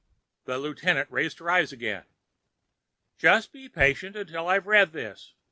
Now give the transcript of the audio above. The lieutenant raised her eyes again. "Just be patient until I've read this."